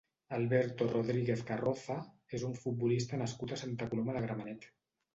Alberto Rodríguez Carroza és un futbolista nascut a Santa Coloma de Gramenet.